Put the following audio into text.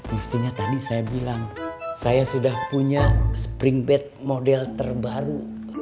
mestinya tadi saya bilang saya sudah punya spring bed model terbaru